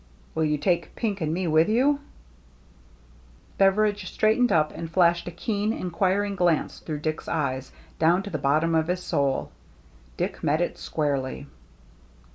" Will you take Pink and me with you ?" Beveridge straightened up and flashed a keen, inquiring glance through Dick's eyes, down to the bottom of his soul. Dick met it squarely.